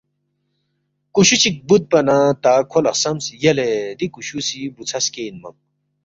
کُشُو چِک بُودپا نہ تا کھو لہ خسمس، ”یلے دی کُشُو سی بُوژھا سکے اِنمنگ